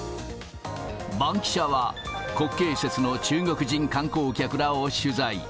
バンキシャは、国慶節の中国人観光客らを取材。